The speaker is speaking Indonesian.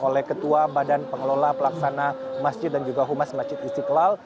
oleh ketua badan pengelola pelaksana masjid dan juga humas masjid istiqlal